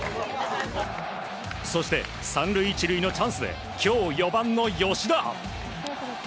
そして、３塁１塁のチャンスで今日４番の吉田。